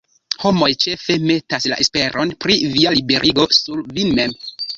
Homoj ĉefe metas la esperon pri via liberigo sur vin mem.